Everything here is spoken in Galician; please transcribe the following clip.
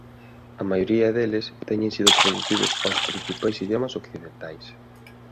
A maioría deles teñen sido traducidos aos principais idiomas occidentais.